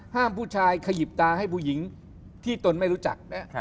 ผู้ชายขยิบตาให้ผู้หญิงที่ตนไม่รู้จัก